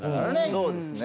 そうですね。